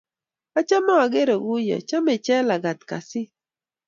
Achome akere kouyo chamei Jelagat kasit